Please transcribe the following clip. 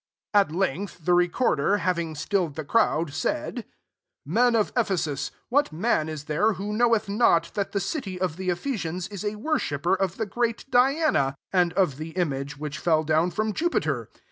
35 At length the record( having stilled the crowd, ^^ Men of Ephesus, what is there, who knoweth that the cit^^ of the Epbcsit is a worshipper of the gro Diana, and of the image vrhk fell down from Jupiter?